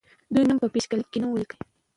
د دوی نوم په پیشلیک کې نه وو لیکل سوی.